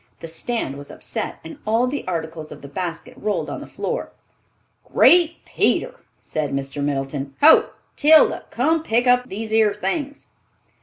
The stand was upset, and all the articles of the basket rolled on the floor. "Great Peter!" said Mr. Middleton, "ho, Tilda, come pick up these 'ere things!"